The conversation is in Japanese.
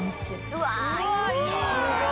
うわ。